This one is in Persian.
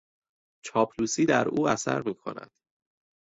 چاپلوسی در او اثر میکند.